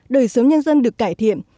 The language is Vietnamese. đời sống nhân dân được cải thiện